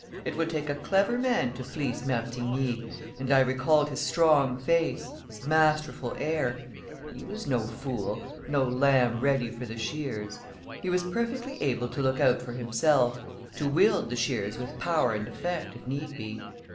It would take a clever man to fleece Martigny, and I recalled his strong face, his masterful air he was no fool, no lamb ready for the shears. He was perfectly able to look out for himself to wield the shears with power and effect, if need be.